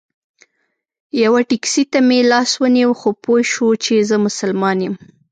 یوه ټیکسي ته مې لاس ونیو خو پوی شو چې زه مسلمان یم.